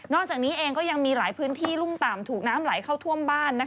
อกจากนี้เองก็ยังมีหลายพื้นที่รุ่มต่ำถูกน้ำไหลเข้าท่วมบ้าน